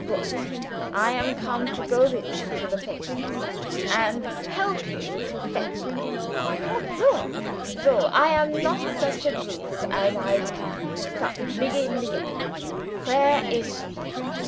Goot! I am come to go with you to the patients, and help you to fetch her. Soh! soh! I am not such a brutes as I look. Come begin begin! Where is she?"